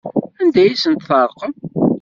Anda ay asent-terqam?